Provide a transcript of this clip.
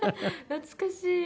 懐かしい。